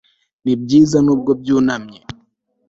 Ibi nibyiza nubwo byunamye